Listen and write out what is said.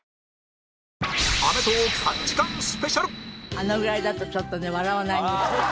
あのぐらいだとちょっとね笑わないんです。